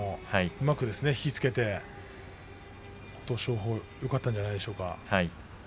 うまく引き付けて琴勝峰よかったんではないでしょうか。